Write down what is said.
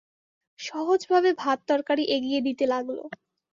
সহজভাবে ভাত-তরকারি এগিয়ে দিতে লাগল।